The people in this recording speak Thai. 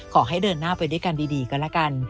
ขอให้เดินหน้าไปด้วยกันดีก็แล้วกัน